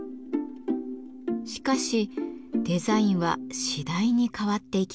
しかしデザインは次第に変わっていきます。